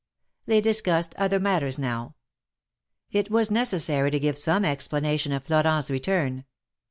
They discussed other matters now. It was necessary to give some explanation of Florent's return.